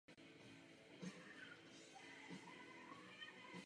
Nachází se zde několik gymnázií a středních škol.